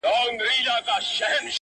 سوال جواب د اور لمبې د اور ګروزونه.!